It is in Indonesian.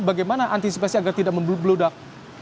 bagaimana antisipasi agar tidak membludak